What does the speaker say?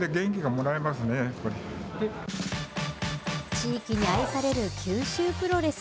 地域に愛される九州プロレス。